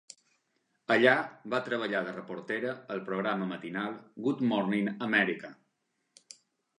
Allà va treballar de reportera al programa matinal "Good Morning America".